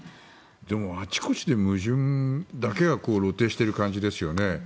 でも、あちこちで矛盾だけが露呈している感じですよね。